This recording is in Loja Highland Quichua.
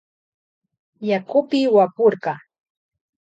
Yakupi wapurka.